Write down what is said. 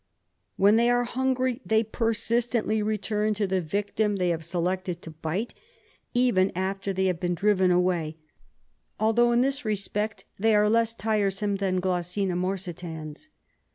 When they are hungry they persistently return to the victim they have selected to bite, even after they have been driven away, although in this respect they are less tiresome than Glossina morsitans.